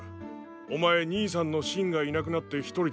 お前兄さんのシンがいなくなってひとりだろ？